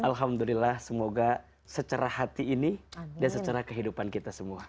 alhamdulillah semoga secara hati ini dan secara kehidupan kita semua